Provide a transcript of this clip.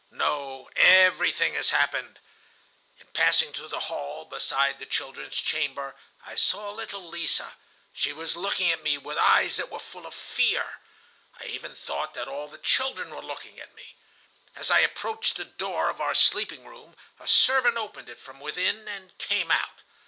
"'No, everything has happened.' "In passing through the hall, beside the children's chamber, I saw little Lise. She was looking at me, with eyes that were full of fear. I even thought that all the children were looking at me. As I approached the door of our sleeping room, a servant opened it from within, and came out.